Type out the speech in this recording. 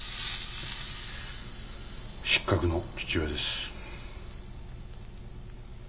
失格の父親です。